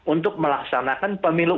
untuk melaksanakan pemilu